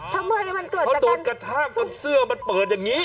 ทำไมมันเกิดเป็นถ้าโจทกภาพเสื้อมันปลอดอย่างงี้